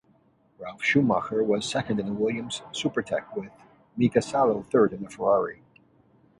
Ralf Schumacher was second in a Williams-Supertec, with Mika Salo third in a Ferrari.